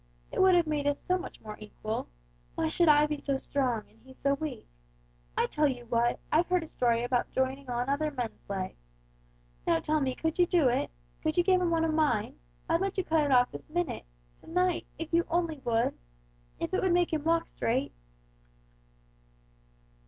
It would have made us so much more equal. Why should I be so strong, and he so weak! I tell you what! I've heard a story about joining on other men's legs. Now tell me, could you do it? Could you give him one of mine? I'd let you cut it off this minute to night, if you only would. If it would make him walk straight!"